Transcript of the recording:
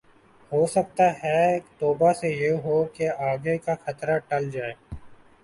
ہوسکتا ہے توبہ سے یہ ہو کہ آگے کا خطرہ ٹل جاۓ